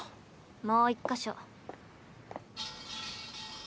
もう一か所。